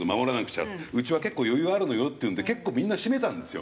うちは結構余裕あるのよっていうんで結構みんな閉めたんですよ。